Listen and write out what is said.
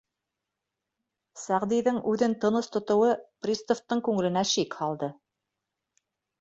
Сәғдиҙең үҙен тыныс тотоуы приставтың күңеленә шик һалды.